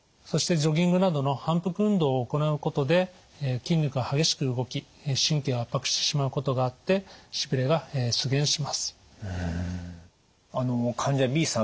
そしてジョギングなどの反復運動を行うことで筋肉が激しく動き神経を圧迫してしまうことがあってしびれが出現します。